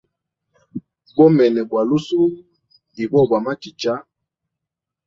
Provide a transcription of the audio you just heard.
Bomene bwa lusuhu ibo bwa machicha.